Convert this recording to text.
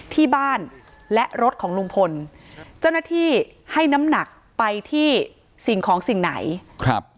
ที่บ้านและรถของลุงพลเจ้าหน้าที่ให้น้ำหนักไปที่สิ่งของสิ่งไหนครับ